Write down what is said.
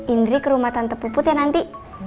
indri ke rumah tante puput ya nanti